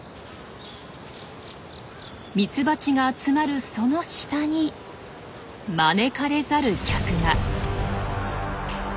ミツバチが集まるその下に招かれざる客が。